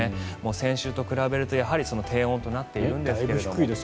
先週と比べるとやはり低温となっているところも。